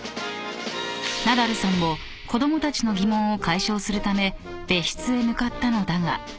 ［ナダルさんも子供たちの疑問を解消するため別室へ向かったのだが］